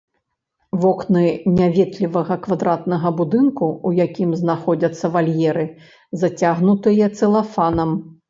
Вокны няветлівага квадратнага будынку, у якім знаходзяцца вальеры, зацягнутыя цэлафанам.